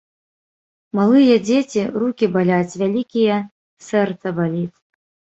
Малыя дзеці – рукі баляць, вялікія – сэрца баліць